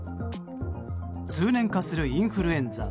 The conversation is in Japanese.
通年化するインフルエンザ。